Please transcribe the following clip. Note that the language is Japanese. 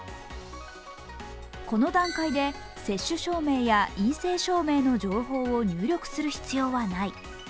この段階で接種証明や陰性証明の情報を入力する必要はない。